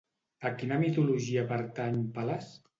A quina mitologia pertany Pales?